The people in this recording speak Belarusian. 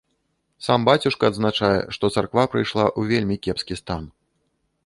Сам бацюшка адзначае, што царква прыйшла ў вельмі кепскі стан.